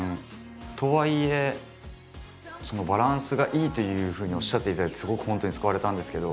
とはいえバランスがいいというふうにおっしゃっていただいてすごく本当に救われたんですけど。